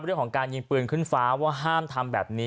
เรื่องของการยิงปืนขึ้นฟ้าว่าห้ามทำแบบนี้